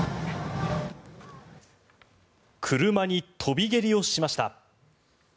車に跳び蹴りをしました。